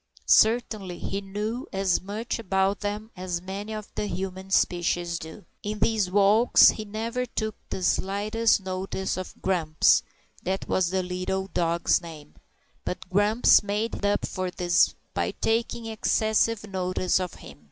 Certainly he knew as much about them as many of the human species do. In these walks he never took the slightest notice of Grumps (that was the little dog's name), but Grumps made up for this by taking excessive notice of him.